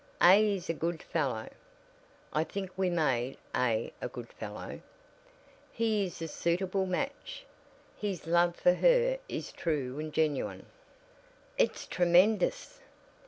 A is a good fellow (I think we made A a good fellow), he is a suitable match, his love for her is true and genuine " "It's tremendous!"